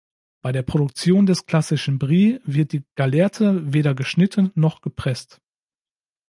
Bei der Produktion des klassischen Brie wird die Gallerte weder geschnitten noch gepresst.